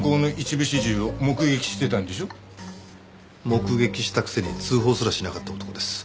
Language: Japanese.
目撃したくせに通報すらしなかった男です。